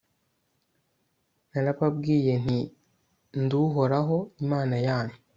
narababwiye nti 'ndi uhoraho, imana yanyu